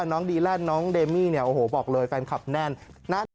น้องดีแลนด์น้องเดมี่เนี่ยโอ้โหบอกเลยแฟนคลับแน่นนะ